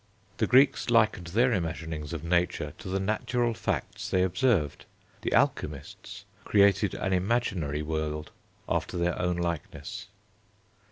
The Greeks likened their imaginings of nature to the natural facts they observed; the alchemists created an imaginary world after their own likeness.